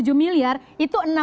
itu enam miliar dolar amerika